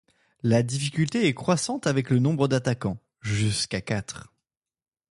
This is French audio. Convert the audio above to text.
La difficulté est croissante avec le nombre d'attaquants, jusqu'à quatre.